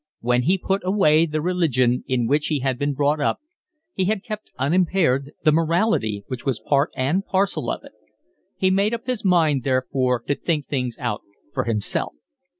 When he put away the religion in which he had been brought up, he had kept unimpaired the morality which was part and parcel of it. He made up his mind therefore to think things out for himself.